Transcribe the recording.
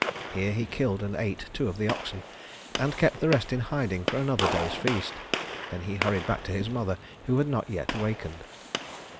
Here he killed and ate two of the oxen, and kept the rest in hiding for another day's feast. Then he hurried back to his mother who had not yet wakened.